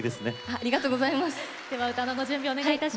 ありがとうございます。